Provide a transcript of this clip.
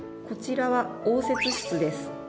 こちらは応接室です